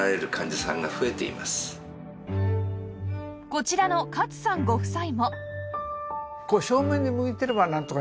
こちらの勝さんご夫妻も